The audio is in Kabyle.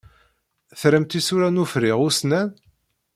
Tramt isura n uferriɣ ussnan?